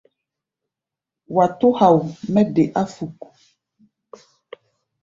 Wa tó hao mɛ́ de áfuk.